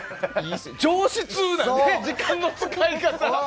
上質な時間の使い方。